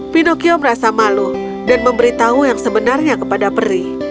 pinocchio merasa malu dan memberitahu yang sebenarnya kepada peri